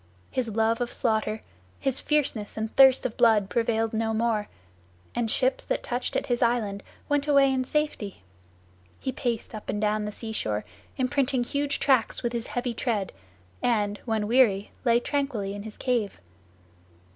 His love of slaughter, his fierceness and thirst of blood prevailed no more, and ships that touched at his island went away in safety. He paced up and down the sea shore, imprinting huge tracks with his heavy tread, and, when weary, lay tranquilly in his cave.